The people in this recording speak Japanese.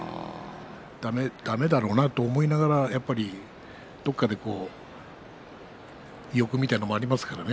だめだろうなと思いながらやっぱりどこかで欲みたいなものもありますからね。